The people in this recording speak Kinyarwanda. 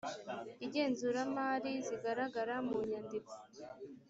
igenzuramari zigaragara mu nyandiko